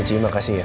nici makasih ya